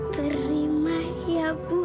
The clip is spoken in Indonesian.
terima ya bu